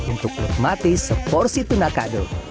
untuk menikmati seporsi tuna kado